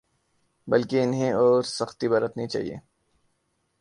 بلکہ انہیں اور سختی برتنی چاہیے۔